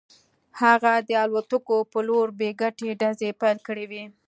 هغه د الوتکو په لور بې ګټې ډزې پیل کړې وې